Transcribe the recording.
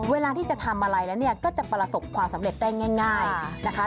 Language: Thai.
เวลาที่จะทำอะไรแล้วเนี่ยก็จะประสบความสำเร็จได้ง่ายนะคะ